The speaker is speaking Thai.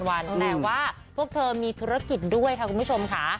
วันแต่ว่าพวกเธอมีธุรกิจด้วยค่ะคุณผู้ชมค่ะ